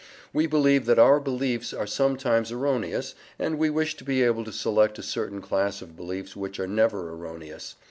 We believe that our beliefs are sometimes erroneous, and we wish to be able to select a certain class of beliefs which are never erroneous.